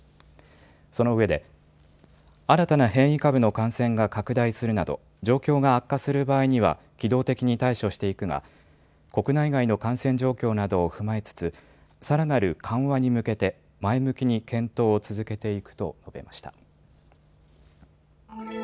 そのうえで新たな変異株の感染が拡大するなど状況が悪化する場合には機動的に対処していくが国内外の感染状況などを踏まえつつさらなる緩和に向けて前向きに検討を続けていくと述べました。